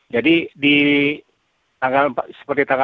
jadi di tanggal empat belas seperti tadi